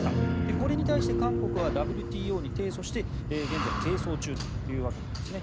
これに対して韓国はＷＴＯに提訴して現在係争中というわけなんですね。